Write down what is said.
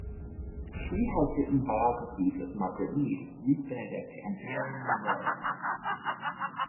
She has written biographies of Margaret Mead, Ruth Benedict and Marilyn Monroe.